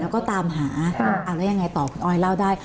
แล้วก็ตามหาแล้วยังไงต่อคุณออยเล่าได้